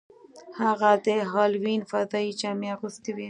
هغه د هالووین فضايي جامې اغوستې وې